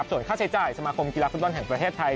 ส่วนค่าใช้จ่ายสมาคมกีฬาฟุตบอลแห่งประเทศไทย